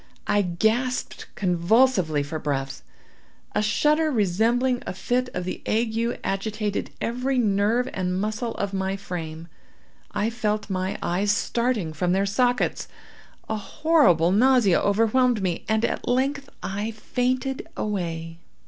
I gasped convulsively for breath—a shudder resembling a fit of the ague agitated every nerve and muscle of my frame—I felt my eyes starting from their sockets—a horrible nausea overwhelmed me—and at length I fainted away.